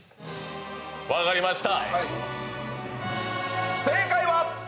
分かりました！